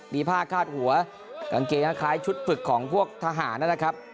มีผ้าคาดหัวกางเกงคล้ายชุดฝึกของพวกทหารนะครับ